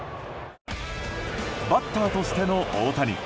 バッターとしての大谷。